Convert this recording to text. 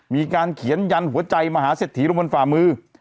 มีการเขียนยันหัวใจมหาเศรษฐีลงบนฝ่ามือ